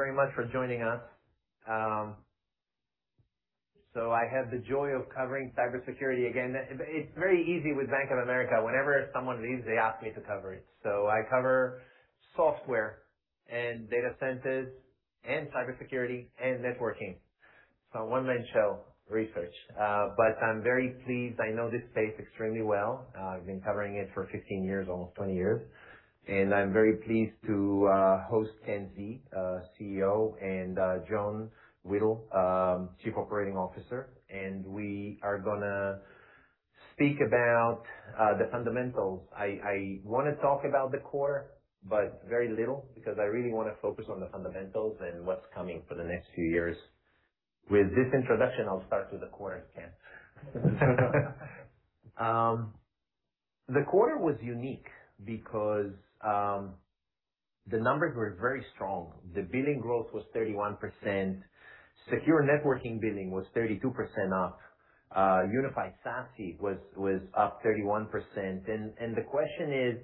Thank you very much for joining us. I have the joy of covering cybersecurity again. It's very easy with Bank of America. Whenever someone leaves, they ask me to cover it. I cover software and data centers and cybersecurity and networking. It's a one-man show, research. I'm very pleased. I know this space extremely well. I've been covering it for 15 years, almost 20 years, and I'm very pleased to host Ken Xie, CEO, and John Whittle, Chief Operating Officer, and we are going to speak about the fundamentals. I want to talk about the core, but very little, because I really want to focus on the fundamentals and what's coming for the next few years. With this introduction, I'll start with the quarter, Ken. The quarter was unique because the numbers were very strong. The billing growth was 31%. Secure networking billing was 32% up. Unified SASE was up 31%. The question is: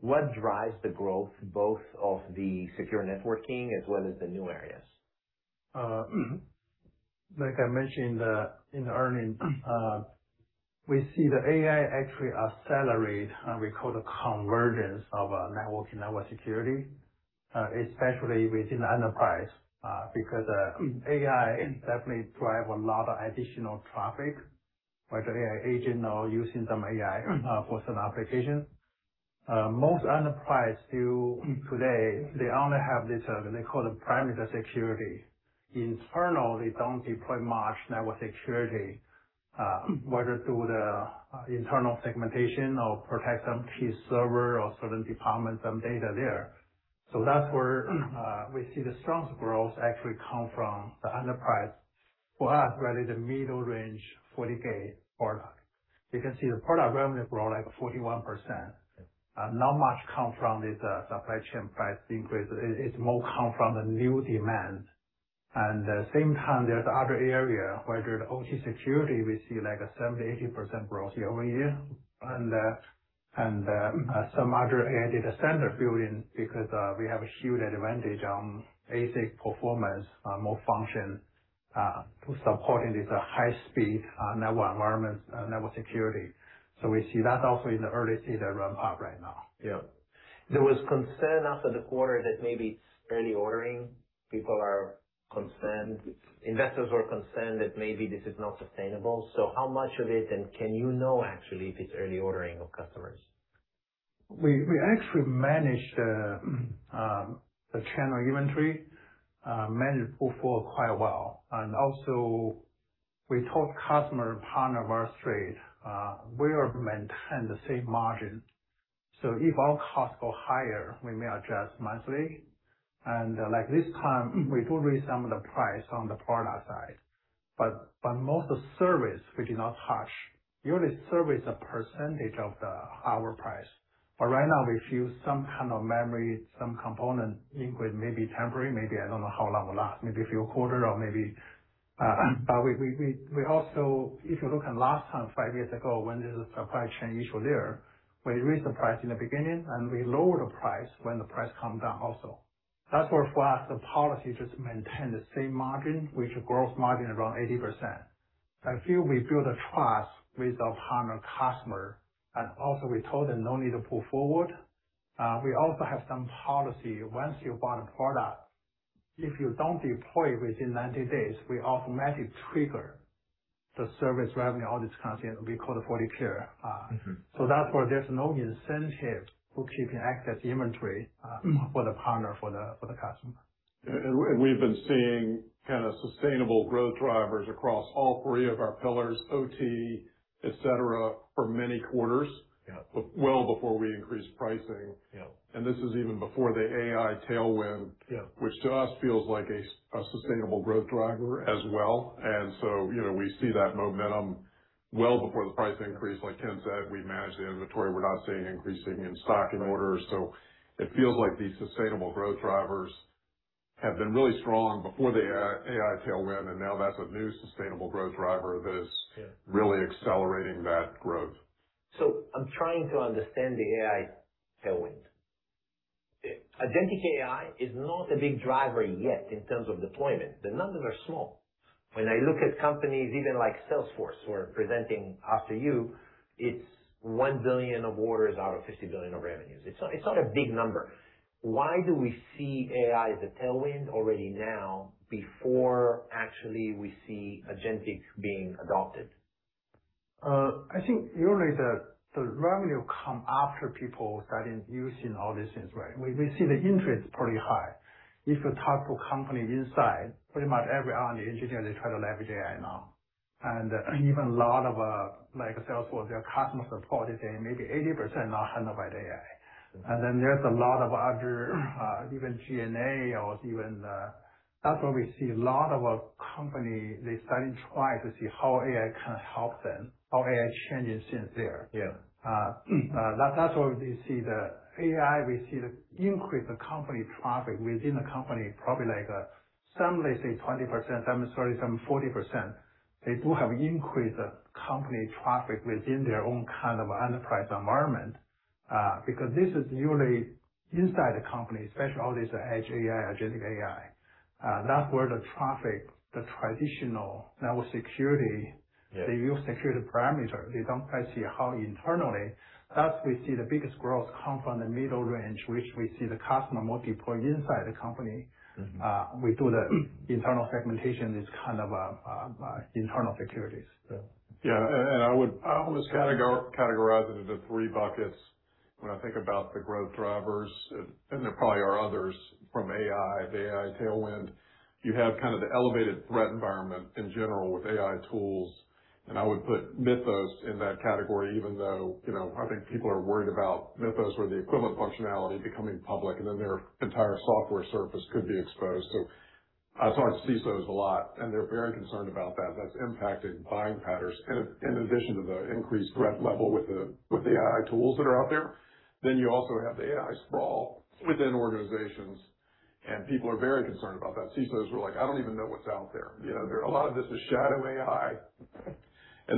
what drives the growth both of the secure networking as well as the new areas? Like I mentioned in the earnings, we see the AI actually accelerate, we call it the convergence of network and network security, especially within enterprise. AI definitely drive a lot of additional traffic, whether AI agent or using some AI for some application. Most enterprise still today, they only have this, they call it perimeter security. Internal, they don't deploy much network security, whether through the internal segmentation or protect some key server or certain department, some data there. That's where we see the strongest growth actually come from the enterprise. For us, really the middle range, FortiGate product. You can see the product revenue grow like 41%. Not much come from this supply chain price increase. It's more come from the new demand. The same time, there's other area where the OT security, we see like a 70%-80% growth year-over-year. Some other added standard building because we have a huge advantage on ASIC performance, more function to supporting this high speed network environment, network security. We see that also in the early season ramp up right now. Yeah. There was concern after the quarter that maybe it's early ordering. People are concerned. Investors were concerned that maybe this is not sustainable. How much of it, and can you know actually if it's early ordering of customers? We actually managed the channel inventory, managed pull forward quite well. Also we told customer and partner very straight, we are maintaining the same margin. If our costs go higher, we may adjust monthly. Like this time, we do raise some of the price on the product side. Most of service we do not touch. Usually, service a percentage of the our price. Right now we feel some kind of memory, some component increase, maybe temporary, maybe I don't know how long will last. We also, if you look at last time, five years ago, when there's a supply chain issue there, we raise the price in the beginning, and we lower the price when the price come down also. That's where for us the policy just maintain the same margin, which gross margin around 80%. I feel we build a trust with our partner customer and also we told them no need to pull forward. We have some policy. Once you bought a product, if you don't deploy within 90 days, we automatic trigger the service revenue, all this kind of thing we call the FortiGate. That's why there's no incentive for keeping excess inventory for the partner, for the customer. We've been seeing sustainable growth drivers across all three of our pillars, OT, et cetera, for many quarters. Yeah. Well before we increased pricing. Yeah. This is even before the AI tailwind. Yeah which to us feels like a sustainable growth driver as well. We see that momentum well before the price increase. Like Ken said, we manage the inventory. We're not seeing increasing in stock and orders. It feels like these sustainable growth drivers have been really strong before the AI tailwind, and now that's a new sustainable growth driver that is- Yeah really accelerating that growth. I'm trying to understand the AI tailwind. Agentic AI is not a big driver yet in terms of deployment. The numbers are small. I look at companies even like Salesforce, who are presenting after you, it's $1 billion of orders out of $50 billion of revenues. It's not a big number. Why do we see AI as a tailwind already now before actually we see agentic being adopted? I think usually the revenue come after people starting using all these things, right? We see the interest pretty high. If you talk to companies inside, pretty much every hour the engineer, they try to leverage AI now. Even lot of, like Salesforce, their customer support is saying maybe 80% now handled by the AI. There's a lot of other even G&A. That's why we see a lot of a company, they starting try to see how AI can help them, how AI changes things there. Yeah. That's why we see the AI, we see the increase of company traffic within the company, probably like some may say 20%, some 30%, some 40%. They do have increased the company traffic within their own kind of enterprise environment. This is usually inside the company, especially all this edge AI, agentic AI. That's where the traffic, the traditional network security. Yeah They use security parameters. They don't actually see how internally. We see the biggest growth come from the middle range, which we see the customer more deploy inside the company. We do the internal segmentation is kind of internal securities. Yeah. Yeah. I would almost categorize it into three buckets when I think about the growth drivers, and there probably are others from AI, the AI tailwind. You have kind of the elevated threat environment in general with AI tools, and I would put Mythos in that category, even though I think people are worried about Mythos or the equivalent functionality becoming public, and then their entire software surface could be exposed. I talk to CSOs a lot, and they're very concerned about that. That's impacting buying patterns. In addition to the increased threat level with the AI tools that are out there, then you also have the AI sprawl within organizations, and people are very concerned about that. CSOs are like, "I don't even know what's out there." A lot of this is shadow AI.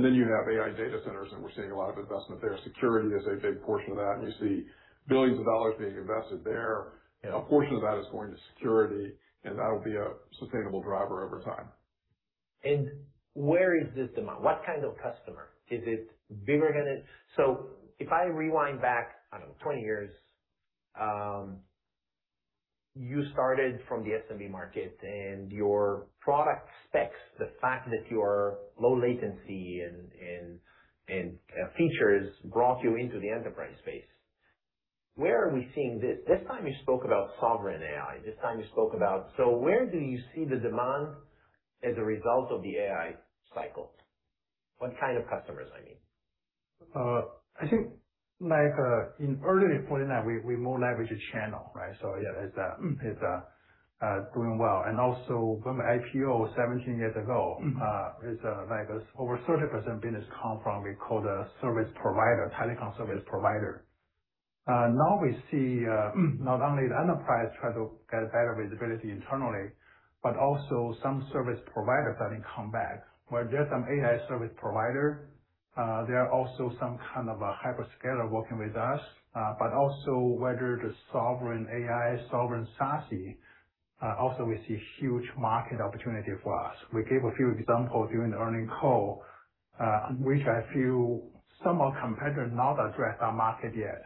You have AI data centers, and we're seeing a lot of investment there. Security is a big portion of that, and you see billions of dollars being invested there. Yeah. A portion of that is going to security, and that'll be a sustainable driver over time. Where is this demand? What kind of customer? Is it bigger than it? If I rewind back, I don't know, 20 years, you started from the SMB market and your product specs, the fact that you are low latency, and features brought you into the enterprise space. Where are we seeing this? This time you spoke about sovereign AI. Where do you see the demand as a result of the AI cycle? What kind of customers, I mean? I think in early Fortinet, we more leverage the channel, right? Yeah, it's doing well. When the IPO 17 years ago, is over 30% business come from, we call the service provider, telecom service provider. Now we see not only the enterprise try to get better visibility internally, but also some service providers starting to come back. Where there's some AI service provider, there are also some kind of a hyperscaler working with us. Whether the sovereign AI, sovereign SASE, also we see huge market opportunity for us. We gave a few examples during the earning call, which I feel some of competitors not address our market yet.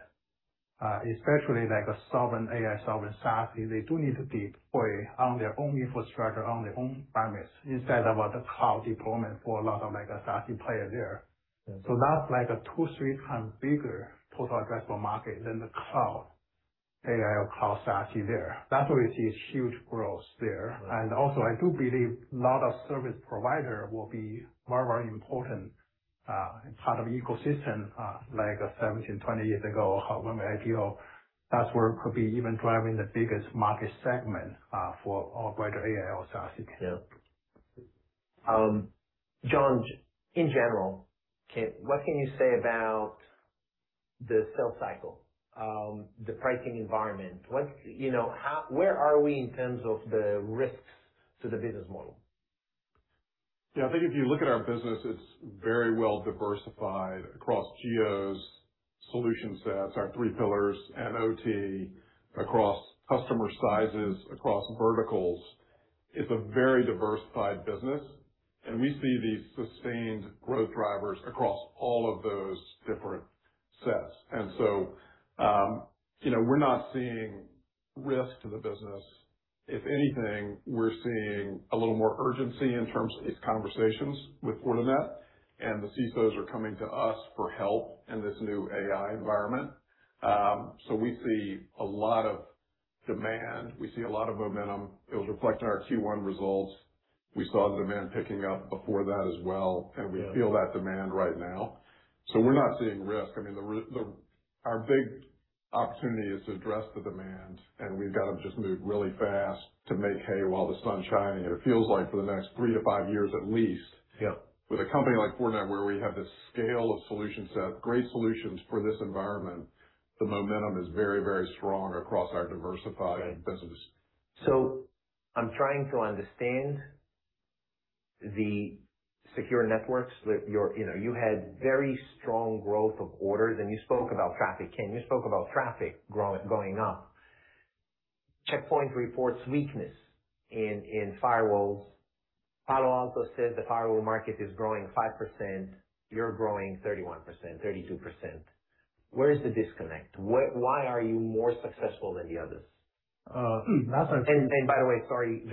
Especially like a sovereign AI, sovereign SASE, they do need to deploy on their own infrastructure, on their own premise, instead of the cloud deployment for a lot of SASE player there. Yeah. That's like a two, three times bigger total addressable market than the cloud, AI or cloud SASE there. That's why we see huge growth there. Right. Also, I do believe a lot of service provider will be very important part of ecosystem, like 17, 20 years ago when we IPO. That's where could be even driving the biggest market segment for our wider AI or SASE. Yeah. John, in general, what can you say about the sales cycle, the pricing environment? Where are we in terms of the risks to the business model? Yeah, I think if you look at our business, it's very well diversified across geos, solution sets, our three pillars, and OT, across customer sizes, across verticals. It's a very diversified business. We see these sustained growth drivers across all of those different sets. We're not seeing risk to the business. If anything, we're seeing a little more urgency in terms of conversations with Fortinet. The CSOs are coming to us for help in this new AI environment. We see a lot of demand. We see a lot of momentum. It was reflected in our Q1 results. We saw demand picking up before that as well. Yeah We feel that demand right now. We're not seeing risk. Our big opportunity is to address the demand, we've got to just move really fast to make hay while the sun's shining. It feels like for the next three to five years at least. Yeah with a company like Fortinet where we have this scale of solution set, great solutions for this environment, the momentum is very, very strong across our diversified business. I'm trying to understand the secure networks. You had very strong growth of orders, and you spoke about traffic. Ken, you spoke about traffic going up. Check Point reports weakness in firewalls. Palo Alto says the firewall market is growing 5%. You're growing 31%, 32%. Where is the disconnect? Why are you more successful than the others? That's a- By the way, sorry,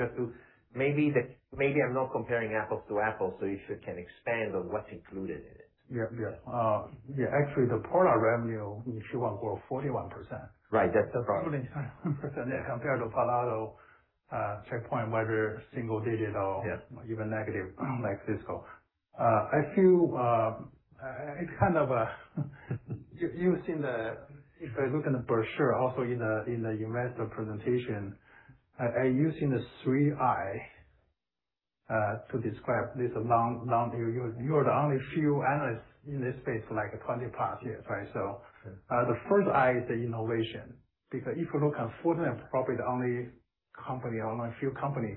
maybe I'm not comparing apples to apples, if you can expand on what's included in it. Yeah. Actually, the product revenue in Q1 grow 41%. Right. That's the product. 41% compared to Palo Alto, Check Point, whether single digit. Yeah even negative like Cisco. If you look in the brochure, also in the investor presentation, using the three I to describe this long view. You are the only few analysts in this space for like 20+ years, right? The first I is the innovation, because if you look at Fortinet, probably the only company or among few company,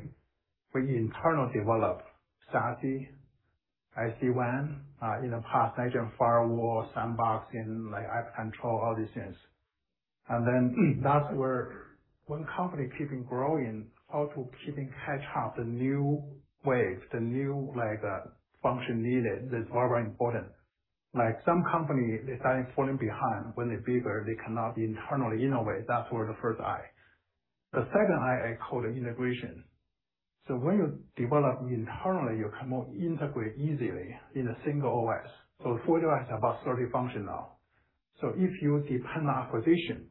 we internal develop SASE SD-WAN. In the past, next-gen firewall, sandboxing, app control, all these things. Then that's where one company keeping growing, how to keeping catch up the new wave, the new function needed is very important. Some company, they started falling behind when they're bigger, they cannot internally innovate. That's where the first I. The second I call the integration. When you develop internally, you cannot integrate easily in a single OS. FortiOS has about 30 function now. If you depend on acquisition,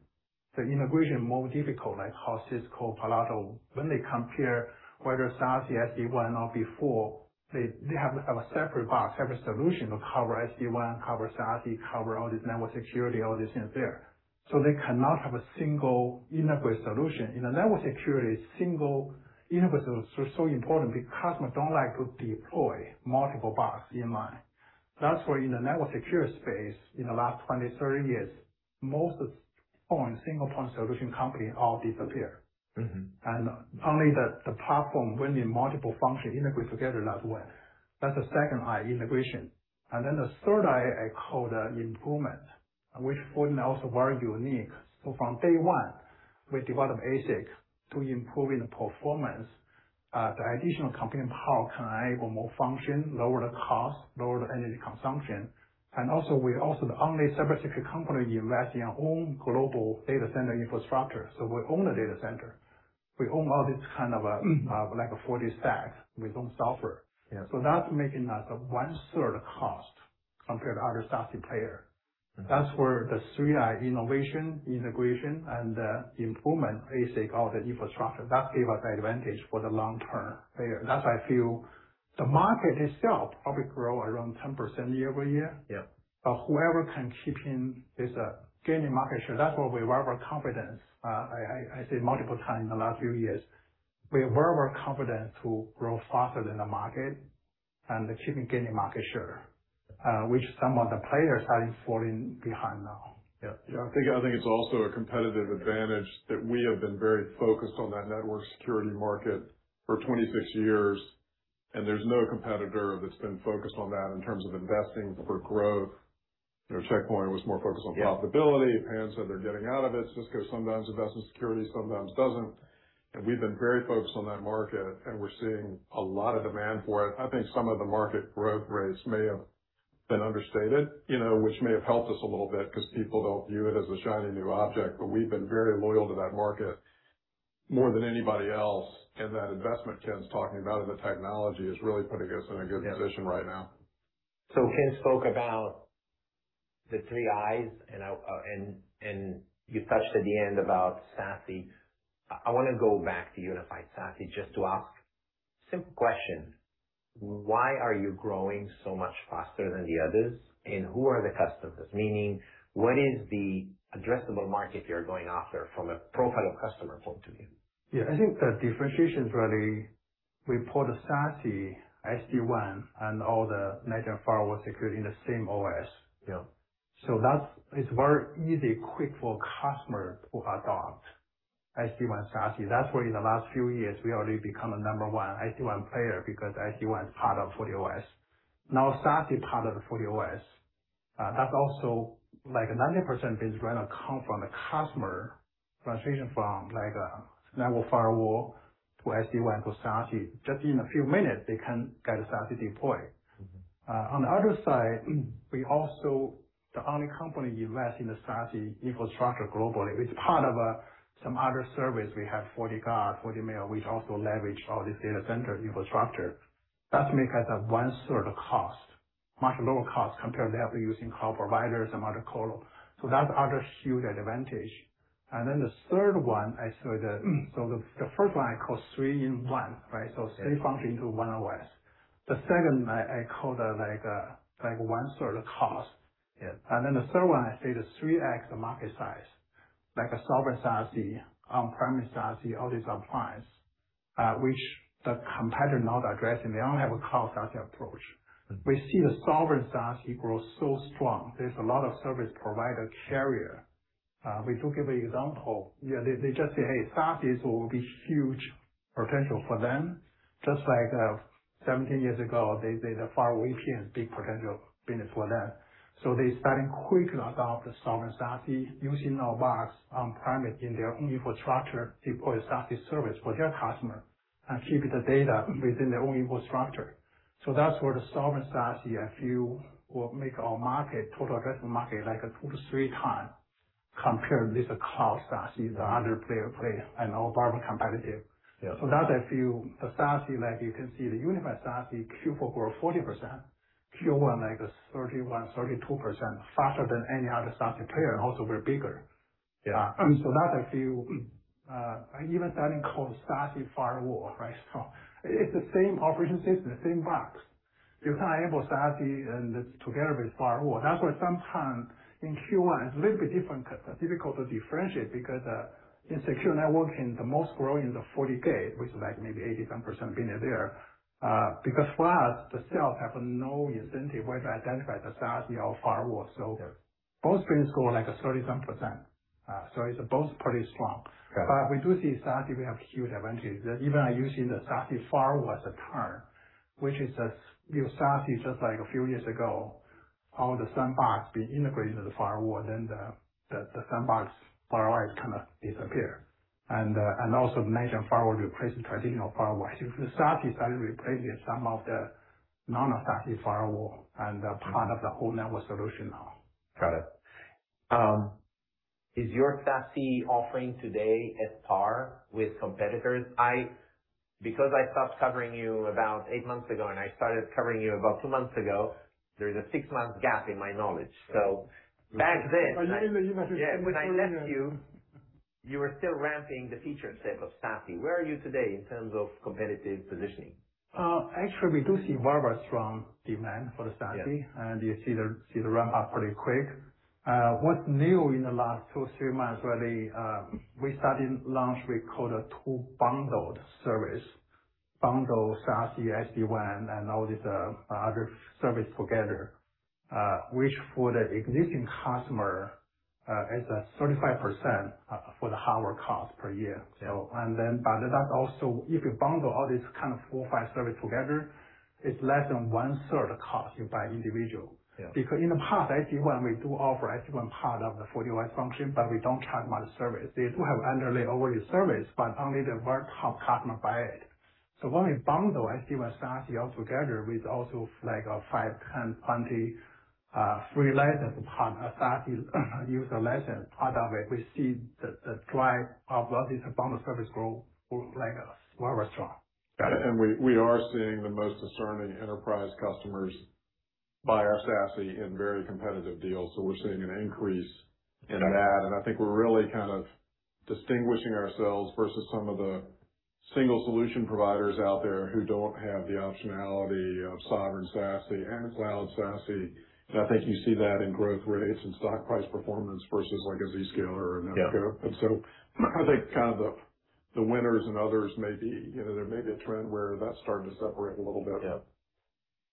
the integration more difficult, like how Cisco, Palo Alto, when they compare whether SASE, SD-WAN or before, they have a separate box, separate solution to cover SD-WAN, cover SASE, cover all this network security, all these things there. They cannot have a single integrated solution. In a network security, single integrated solution is so important because customer don't like to deploy multiple box in line. That's why in the network security space in the last 20, 30 years, most point single-point solution company all disappear. Only the platform when the multiple function integrate together last well. That's the second I, integration. The third I call the improvement, which Fortinet also very unique. From day one, we develop ASIC to improving the performance. The additional computing power can enable more function, lower the cost, lower the energy consumption. We also the only cybersecurity company invest in our own global data center infrastructure. We own the data center. We own all this kind of a FortiStack. We own software. Yeah. That's making us one-third cost compared to other SASE player. That's where the three I, innovation, integration, and the improvement, ASIC, all the infrastructure, that gave us advantage for the long term. That's why I feel the market itself probably grow around 10% year-over-year. Yeah. Whoever can keep in this gaining market share, that's why we're very confident. I say multiple times in the last few years, we're very confident to grow faster than the market and keeping gaining market share, which some of the players are falling behind now. Yeah. Yeah. I think it's also a competitive advantage that we have been very focused on that network security market for 26 years, and there's no competitor that's been focused on that in terms of investing for growth. Check Point was more focused on profitability. Yeah. Palo Alto, they're getting out of it. Cisco sometimes invest in security, sometimes doesn't. We've been very focused on that market, and we're seeing a lot of demand for it. I think some of the market growth rates may have been understated, which may have helped us a little bit because people don't view it as a shiny new object. We've been very loyal to that market, more than anybody else. That investment Ken's talking about in the technology is really putting us in a good position right now. Ken spoke about the three I's, and you touched at the end about SASE. I want to go back to unified SASE just to ask simple question. Why are you growing so much faster than the others, and who are the customers? Meaning, what is the addressable market you're going after from a profile of customer point of view? Yeah, I think the differentiation is really we put the SASE, SD-WAN, and all the next-gen firewall security in the same OS. Yeah. That is very easy, quick for customer to adopt SD-WAN SASE. That's why in the last few years, we already become the number one SD-WAN player because SD-WAN is part of FortiOS. Now SASE part of the FortiOS. That's also 90% business right now come from the customer transitioning from network firewall to SD-WAN to SASE. Just in a few minutes, they can get SASE deployed. On the other side, we also the only company invest in the SASE infrastructure globally. With part of some other service we have FortiGuard, FortiMail, which also leverage all this data center infrastructure. That make us one-third cost, much lower cost compared to they have to using cloud providers and other colocation. That's other huge advantage. The third one I say the first one I call three in one, right? Three function into one OS. The second I call the one-third cost. Yeah. The third one, I say the 3x the market size, like a sovereign SASE, on-premise SASE, all these appliances, which the competitors not addressing. They only have a cloud SASE approach. We see the sovereign SASE grow so strong. There's a lot of service provider carriers. We do give an example. They just say, "Hey, SASE will be huge potential for them." Just like 17 years ago, they say the firewall VPN is big potential business for them. They're starting quick roll out the sovereign SASE using our box on-premise in their own infrastructure, deploy SASE service for their customers, and keep the data within their own infrastructure. That's where the sovereign SASE, I feel will make our market, total addressable market, like 2 - 3x compared with the cloud SASE, the other players, and all very competitive. Yeah. I feel the SASE, you can see the unified SASE Q4 grow 40%, Q1 31%-32%, faster than any other SASE player, also we're bigger. Yeah. That I feel even starting call SASE firewall. It's the same operating system, same box. You can enable SASE and together with firewall. That's why sometimes in Q1, it's a little bit difficult to differentiate because in secure networking, the most growing is the FortiGate, which is like maybe 87% business there. For us, the sales have no incentive whether to identify the SASE or firewall. Yeah. Both business grow like 37%. It's both pretty strong. Right. We do see SASE, we have huge advantage. Even using the SASE firewall as a term, which is a new SASE, just like a few years ago. All the sandbox being integrated into the firewall, the sandbox firewall is kind of disappear. Also next-gen firewall replacing traditional firewall. The SASE started replacing some of the non-SASE firewall and part of the whole network solution now. Got it. Is your SASE offering today at par with competitors? I stopped covering you about eight months ago, and I started covering you about two months ago, there's a six-month gap in my knowledge. You must have missed so much. when I left you were still ramping the feature set of SASE. Where are you today in terms of competitive positioning? Actually, we do see very strong demand for the SASE. Yes. You see the ramp up pretty quick. What's new in the last two, three months, really, we started launch we call the two bundled service. Bundle SASE, SD-WAN, and all these other services together, which for the existing customer is at 35% for the hardware cost per year. Yeah. Also, if you bundle all these kind of four or five services together, it's less than one third cost you by individual. Yeah. In the past, SD-WAN, we do offer SD-WAN part of the FortiGate function, but we don't have much service. They do have underlay overlay service, but only the very top customer buy it. When we bundle SD-WAN, SASE all together with also like a five, 10, 20 free license upon a SASE user license, part of it, we see the drive of all this bundled service grow very strong. Got it. We are seeing the most discerning enterprise customers buy our SASE in very competitive deals. We're seeing an increase in that, and I think we're really kind of distinguishing ourselves versus some of the single solution providers out there who don't have the optionality of sovereign SASE and cloud SASE. I think you see that in growth rates and stock price performance versus like a Zscaler or a Netskope. Yeah. I think the winners and others may be, there may be a trend where that's starting to separate a little bit. Yeah.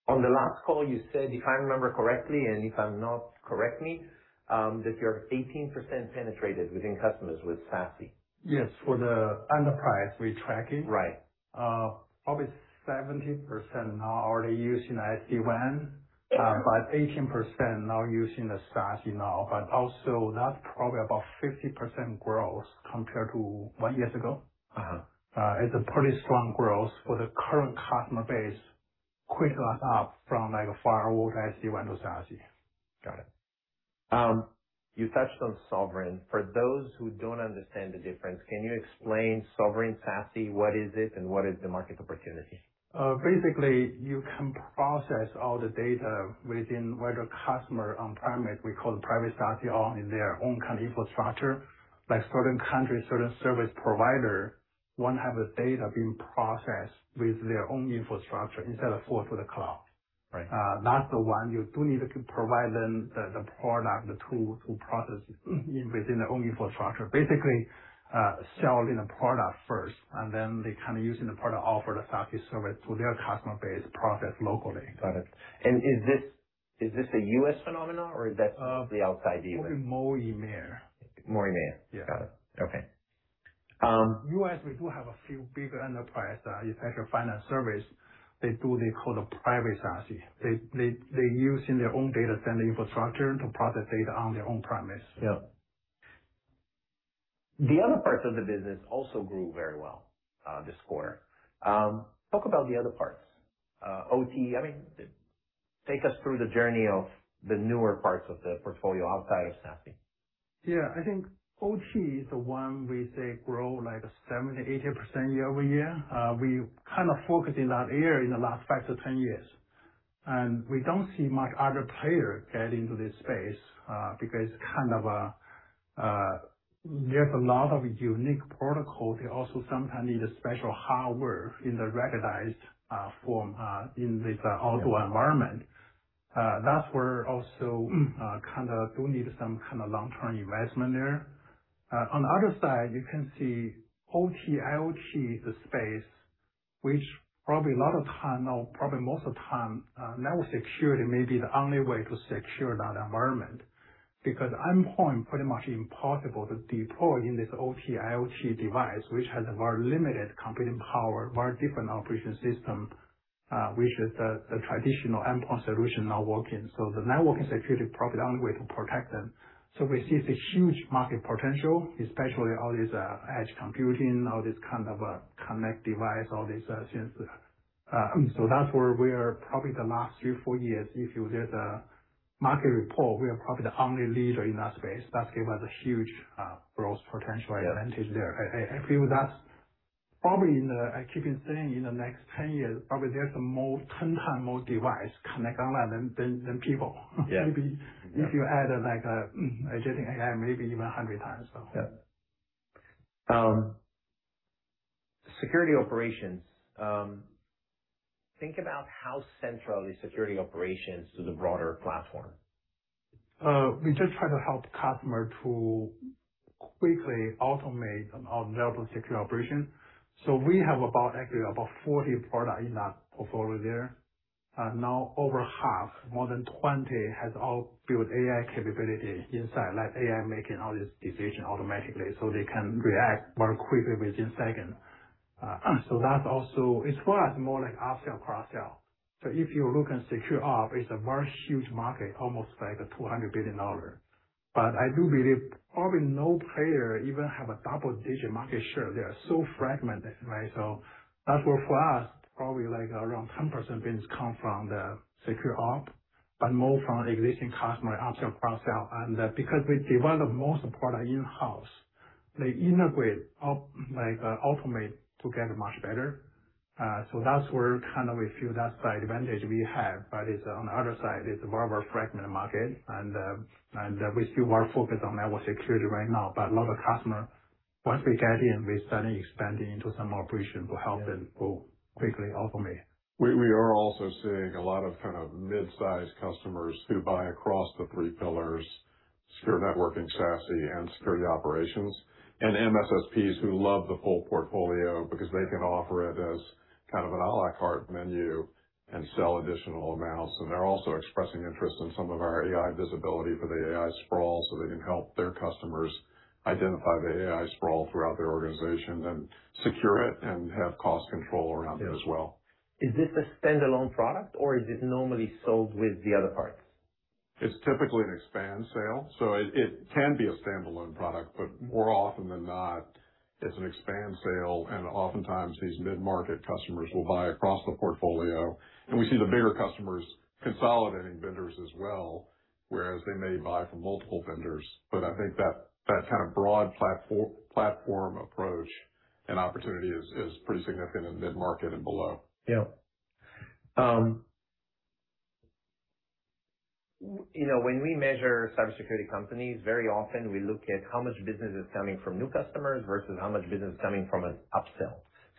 On the last call you said, if I remember correctly, and if I'm not, correct me, that you're 18% penetrated within customers with SASE. Yes. For the enterprise we're tracking. Right. Probably 17% now already using SD-WAN. 18% now using the SASE now, but also that's probably about 50% growth compared to one year ago. It's a pretty strong growth for the current customer base, quick adopt from like a firewall, SD-WAN to SASE. Got it. You touched on Sovereign. For those who don't understand the difference, can you explain Sovereign SASE, what is it, and what is the market opportunity? You can process all the data within, where the customer on-premises, we call the private SASE, all in their own kind of infrastructure. Certain countries, certain service providers, want to have the data being processed with their own infrastructure instead of go through the cloud. Right. That's the one you do need to provide them the product, the tool to process within their own infrastructure. Basically, selling a product first, and then they kind of using the product, offer the SASE service to their customer base, process locally. Got it. Is this a U.S. phenomenon or is that the outside the U.S.? Probably more EMEA. More EMEA? Yeah. Got it. Okay. U.S., we do have a few big enterprise, especially financial services. They do, they call the private SASE. They use in their own data center infrastructure to process data on their own premises. Yeah. The other parts of the business also grew very well this quarter. Talk about the other parts. OT. Take us through the journey of the newer parts of the portfolio outside of SASE. Yeah. I think OT is the one we say grow like 70%-80% year-over-year. We kind of focus in that area in the last 5-10 years. We don't see much other player get into this space, because kind of there's a lot of unique protocol. They also sometimes need a special hardware in the ruggedized form, in this outdoor environment. That's where also kind of do need some kind of long-term investment there. On the other side, you can see OT, IoT space, which probably a lot of time now, probably most of the time, network security may be the only way to secure that environment. Because endpoint pretty much impossible to deploy in this OT, IoT device, which has a very limited computing power, very different operating system, which is the traditional endpoint solution not working. The network is actually probably the only way to protect them. We see the huge market potential, especially all this edge computing, all this kind of a connect device, all this sensor. That's where we are probably the last three or four years, if you read a market report, we are probably the only leader in that space. That gave us a huge growth potential advantage there. I agree with that. Probably in the I keep saying in the next 10 years, probably there's more, 10x more device connect online than people. Yeah. Maybe if you add like a agentic AI, maybe even 100 times. Yeah. security operations. Think about how central is security operations to the broader platform. We have about, actually about 40 product in that portfolio there. Over half, more than 20 has all built AI capability inside, like AI making all this decision automatically, so they can react very quickly within seconds. That's also, it's for us more like upsell, cross-sell. If you look in SecureOps, it's a very huge market, almost like $200 billion. I do believe probably no player even have a double-digit market share. They are so fragmented, right? That's where for us, probably around 10% business come from the SecureOps, but more from existing customer upsell, cross-sell. Because we develop most product in-house, they integrate, automate together much better. That's where we feel that's the advantage we have. On the other side, it's a very fragmented market, and we still are focused on network security right now. A lot of customer, once we get in, we suddenly expanding into some operation to help them to quickly automate. We are also seeing a lot of mid-sized customers who buy across the three pillars, secure networking, SASE and security operations. MSSPs who love the full portfolio because they can offer it as kind of an à la carte menu and sell additional amounts. They're also expressing interest in some of our AI visibility for the AI sprawl, so they can help their customers identify the AI sprawl throughout their organization and secure it and have cost control around it as well. Is this a standalone product or is it normally sold with the other parts? It's typically an expand sale, so it can be a standalone product, but more often than not, it's an expand sale, and oftentimes these mid-market customers will buy across the portfolio. We see the bigger customers consolidating vendors as well, whereas they may buy from multiple vendors. I think that kind of broad platform approach and opportunity is pretty significant in mid-market and below. Yeah. When we measure cybersecurity companies, very often we look at how much business is coming from new customers versus how much business is coming from an upsell.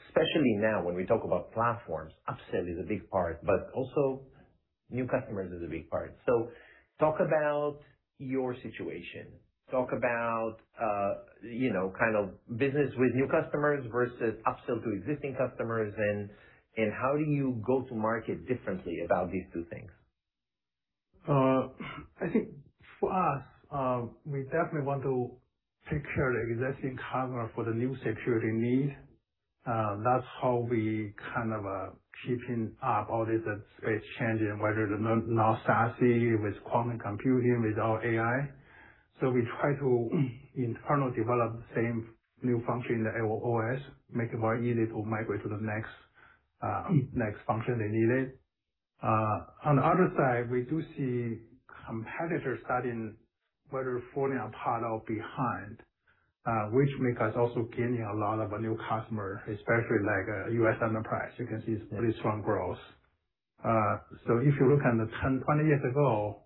Especially now when we talk about platforms, upsell is a big part, but also new customers is a big part. Talk about your situation. Talk about business with new customers versus upsell to existing customers. How do you go to market differently about these two things? I think for us, we definitely want to take care of the existing customer for the new security need. That's how we keeping up all this space changing, whether the now SASE, with quantum computing, without AI. We try to internal develop the same new function, the OS, make it very easy to migrate to the next function they needed. On the other side, we do see competitors starting, whether falling apart or behind, which make us also gaining a lot of new customer, especially like U.S. enterprise. You can see it's pretty strong growth. If you look at the 20 years ago,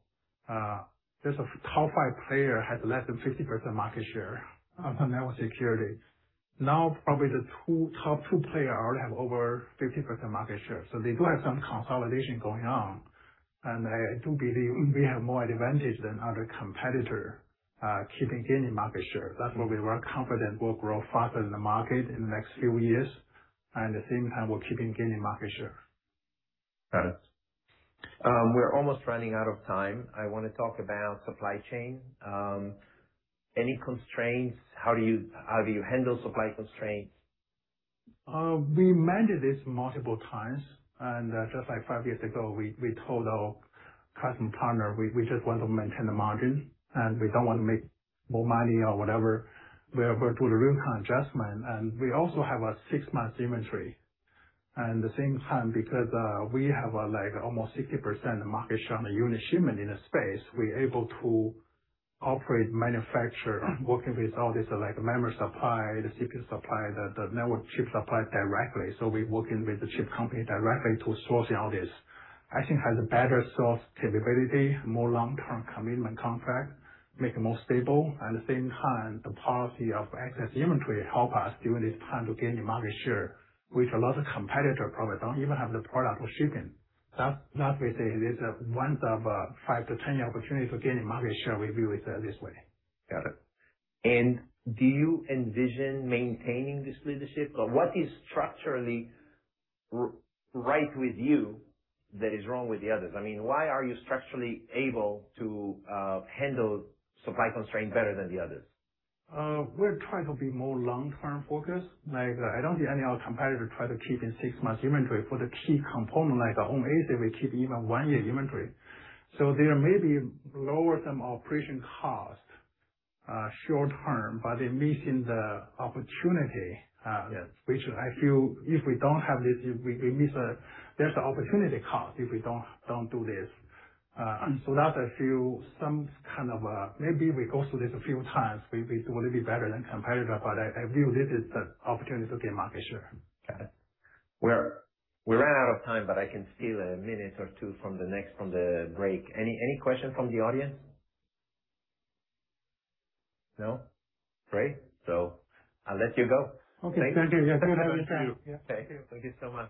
just top five player had less than 50% market share on network security. Now, probably the top two player already have over 50% market share. They do have some consolidation going on, and I do believe we have more advantage than other competitor keeping gaining market share. That's where we are confident we'll grow faster than the market in the next few years, and the same time, we're keeping gaining market share. Got it. We're almost running out of time. I want to talk about supply chain. Any constraints? How do you handle supply constraints? We managed this multiple times, and just like five years ago, we told our customer partner we just want to maintain the margin, and we don't want to make more money or whatever. We're able to do the real time adjustment. We also have a six-month inventory. At the same time, because we have almost 60% market share on the unit shipment in the space, we're able to operate, manufacture, working with all these memory supply, the CPU supply, the network chip supply directly. We're working with the chip company directly to sourcing all this. I think has a better source capability, more long-term commitment contract, make it more stable. At the same time, the policy of excess inventory help us during this time to gain the market share, which a lot of competitor probably don't even have the product for shipping. We say it is one of five to 10 year opportunity to gain the market share, we view it this way. Got it. Do you envision maintaining this leadership? What is structurally right with you that is wrong with the others? I mean, why are you structurally able to handle supply constraint better than the others? We're trying to be more long-term focused. I don't see any other competitor try to keep in six months inventory for the key component like the home agent will keep even one year inventory. There may be lower some operation cost short-term, but they're missing the opportunity. Yes. which I feel if we don't have this, there's the opportunity cost if we don't do this. That I feel some kind of Maybe we go through this a few times, we do a little bit better than competitor, but I view this as an opportunity to gain market share. Got it. We ran out of time, but I can steal a minute or two from the break. Any questions from the audience? No? Great. I'll let you go. Okay. Thank you. Thank you. Thank you so much.